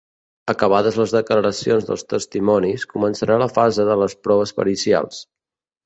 Acabades les declaracions dels testimonis, començarà la fase de les proves pericials.